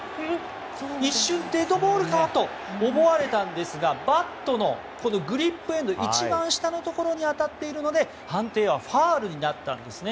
一瞬デッドボールかと思われたんですがバットのグリップエンド一番下に当たっているので判定はファウルになったんですね。